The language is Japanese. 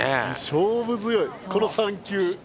勝負強いこの３球！